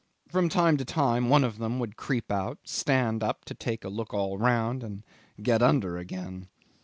From time to time one of them would creep out, stand up to take a look all round, and get under again.